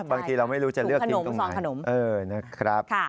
บางทีเราไม่รู้จะเลือกกินตรงไหนนะครับ